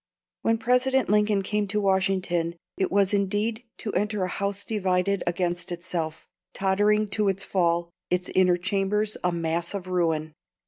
When President Lincoln came to Washington, it was indeed to enter a house divided against itself, tottering to its fall, its inner chambers a mass of ruin.